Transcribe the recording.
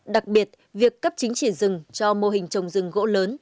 đặc biệt việc cấp chứng chỉ rừng cho mô hình trồng rừng gỗ lớn